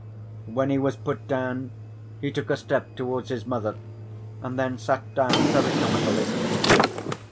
When he was put down he took a step towards his mother and then sat down very comically.